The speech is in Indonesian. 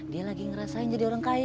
dia lagi ngerasain jadi orang kaya